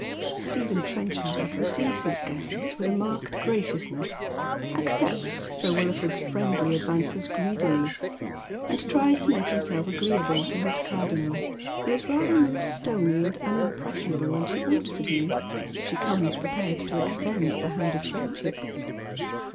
Stephen Trenchard receives his guests wath a marked gracious ness, accepts Sir Wilford's friendly advances greedily, and tries to make himself agreeable to MissCtirdonnel, who is rather more stony and unimpressionable than she ought to be if she comes prepared to extend the hand of friendship.